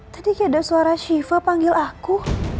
tadi kayak ada suara shiva panggil aku